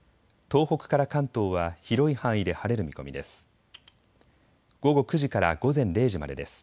東北から関東は広い範囲で晴れる見込みです。